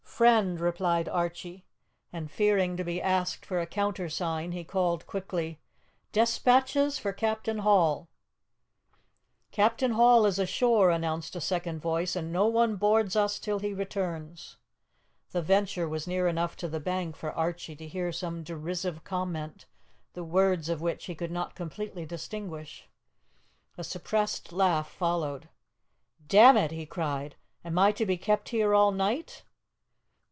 "Friend," replied Archie; and, fearing to be asked for a countersign, he called quickly, "Despatches for Captain Hall." "Captain Hall is ashore," announced a second voice, "and no one boards us till he returns." The Venture was near enough to the bank for Archie to hear some derisive comment, the words of which he could not completely distinguish. A suppressed laugh followed. "Damn it!" he cried, "am I to be kept here all night?"